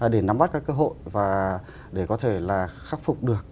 để nắm bắt các cơ hội và để có thể là khắc phục được